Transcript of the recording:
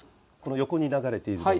横に流れているのが。